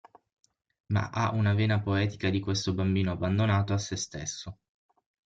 Ma ha una vena poetica di questo bambino abbandonato a sé stesso.